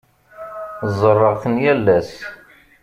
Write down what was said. Ẓerreɣ-ten yal ass.